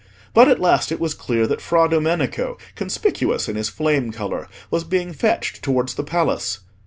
But at last it was clear that Fra Domenico, conspicuous in his flame colour, was being fetched towards the Palace.